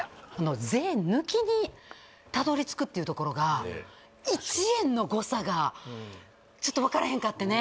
税抜にたどり着くっていうところが１円の誤差がちょっと分からへんかったね